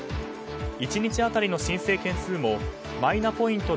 １日当たりの申請件数もマイナポイント